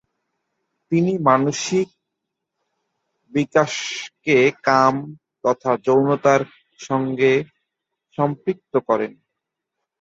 তিনি মানসিক বিকাশকে কাম তথা যৌনতার সঙ্গে সম্পৃক্ত করেন।